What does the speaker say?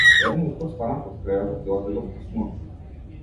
Едно утро станав од креветот и отидов по смоки.